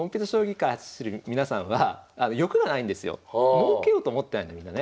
もうけようと思ってないんだみんなね。